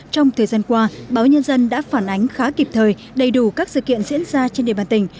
trong thời gian qua báo nhân dân đã phản ánh khá kịp thời đầy đủ các sự kiện diễn ra trên địa bàn tỉnh